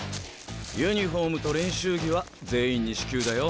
ユニフォームと練習着は全員に支給だよ。